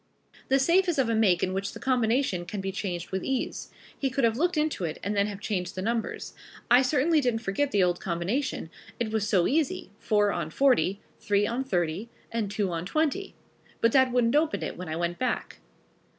The safe is of a make in which the combination can be changed with ease. He could have looked into it and then have changed the numbers. I certainly didn't forget the old combination it was so easy, four on forty, three on thirty and two on twenty but that wouldn't open it when I went back."